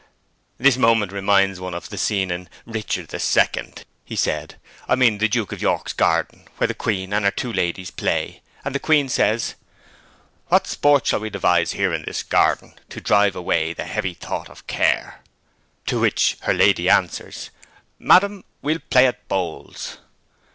'This moment reminds one of the scene in Richard the Second,' he said. 'I mean the Duke of York's garden, where the queen and her two ladies play, and the queen says "What sport shall we devise here in this garden, To drive away the heavy thought of care?" To which her lady answers, "Madam, we'll play at bowls."'